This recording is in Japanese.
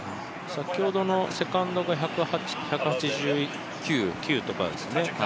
先ほどのセカンドが１８９とかですね。